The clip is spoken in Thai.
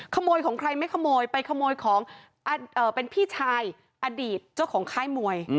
ขโมยของใครไม่ขโมยไปขโมยของเป็นพี่ชายอดีตเจ้าของค่ายมวย